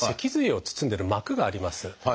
脊髄を包んでる膜があります。